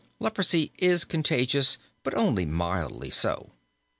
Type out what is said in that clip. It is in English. Leprosy is contagious, but only mildly so.